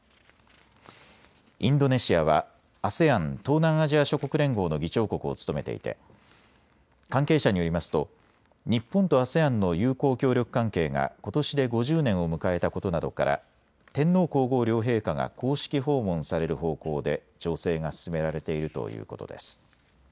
インドネシアはＡＳＥＡＮ・東南アジア諸国連合の議長国を務めていて関係者によりますと日本とＡＳＥＡＮの友好協力関係がことしで５０年を迎えたことなどから天皇皇后両陛下が公式訪問される方向で調整が進められているということです。